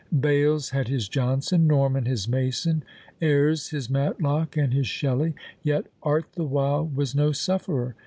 Bales had his Johnson, Norman his Mason, Ayres his Matlock and his Shelley; yet Art the while was no sufferer.